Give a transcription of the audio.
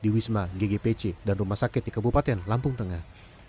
di wisma ggpc dan rumah sakit di kabupaten lampung tengah